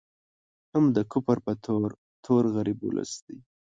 هم د کفر په تور، تور غریب ولس دی